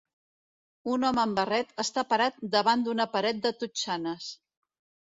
Un home amb barret està parat davant d'una paret de totxanes.